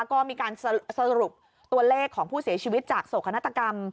ก็มีการสรุปตัวเลขของผู้เสียชีวิตจากโศกนาฏกรรม